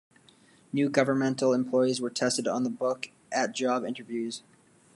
New governmental employees were tested on the book at job interviews.